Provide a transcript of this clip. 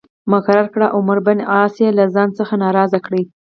مقرر کړ او عمرو بن عاص یې له ځان څخه ناراض کړ.